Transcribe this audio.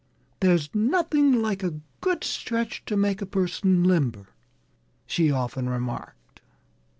"There's nothing like a good stretch to make a person limber," she often remarked.